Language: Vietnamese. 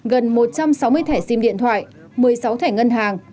gần một trăm sáu mươi thẻ sim điện thoại một mươi sáu thẻ ngân hàng